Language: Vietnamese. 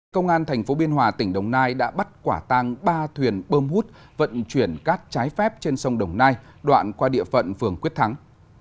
công an tp biên hòa tỉnh đồng nai đã bắt quả tang ba thuyền bơm hút vận chuyển cát trái phép trên sông đồng nai đoạn qua địa phận phường quyết thắng